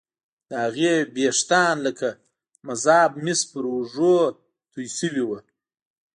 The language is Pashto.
د هغې ويښتان لکه مذاب مس پر اوږو توې شوي وو